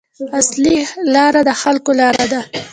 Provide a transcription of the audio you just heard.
اصلي لاره د خلکو لاره ده.